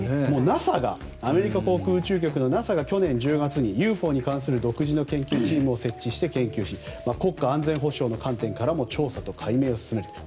アメリカ航空宇宙局のＮＡＳＡが去年１０月にＵＦＯに関する独自の研究チームを設置して研究し国家安全保障の観点からも調査と解明を進めている。